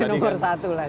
yang nomor satu lah